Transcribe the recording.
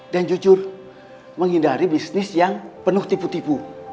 dan jujur menghindari bisnis yang penuh tipu tipu